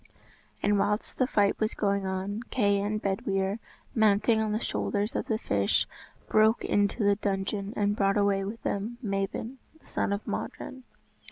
] And whilst the fight was going on, Kay and Bedwyr, mounting on the shoulders of the fish, broke into the dungeon, and brought away with them Mabon, the son of Modron.